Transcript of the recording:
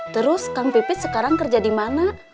terus kang pipit sekarang kerja di mana